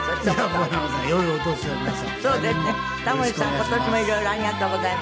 今年も色々ありがとうございました。